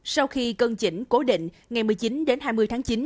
sau khi cân chỉnh cố định ngày một mươi chín đến hai mươi tháng chín